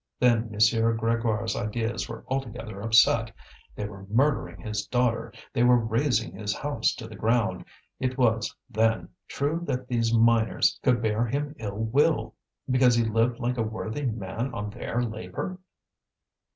Then M. Grégoire's ideas were altogether upset: they were murdering his daughter, they were razing his house to the ground; it was, then, true that these miners could bear him ill will, because he lived like a worthy man on their labour?